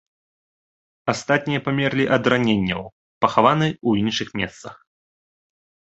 Астатнія памерлі ад раненняў пахаваны ў іншых месцах.